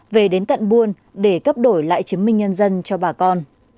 về đến tận buôn để cấp đổi lại chứng minh nhân dân cho bà con